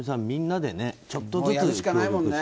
みんなでちょっとずつね。